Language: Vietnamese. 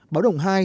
báo động hai